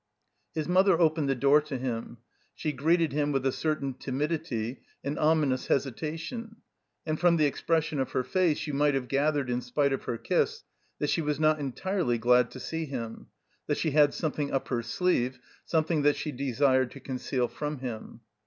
His mother opened the door to him. She greeted him with a certain timidity, an ominous hesitation; and from the expression of her face you might have gathered, in spite of her kiss, that she was not en tirely glad to see him; that she had something up her sleeve, something that she desired to conceal from him.